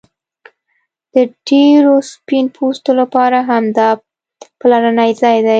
د ډیرو سپین پوستو لپاره هم دا پلرنی ځای دی